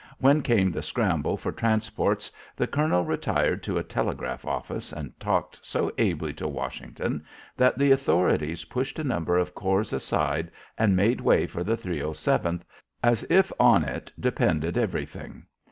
When came the scramble for transports the colonel retired to a telegraph office and talked so ably to Washington that the authorities pushed a number of corps aside and made way for the 307th, as if on it depended everything.